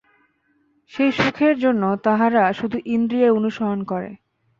সেই সুখের জন্য তাহারা শুধু ইন্দ্রিয়ের অনুসরণ করে।